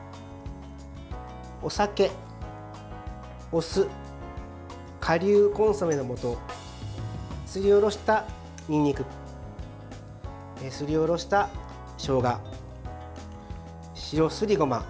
お酒、お酢かりゅうコンソメのもとすりおろしたにんにくすりおろしたしょうが白すりごま。